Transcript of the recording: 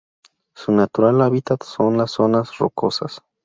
Su natural hábitat son las zonas rocosas.